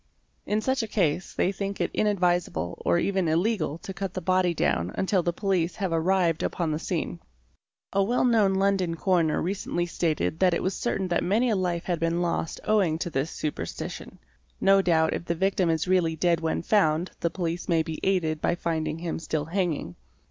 In such a case they think it inadvisable or even illegal to cut the body down until the police have arrived upon the scene. A well known London coroner recently stated that it was certain that many a life had been lost owing to this superstition. No doubt if the victim is really dead when found the police may be aided by finding him still hanging.